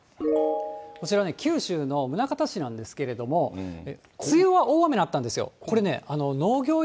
こちら九州の宗像市なんですけれども、梅雨は大雨だったんですよ。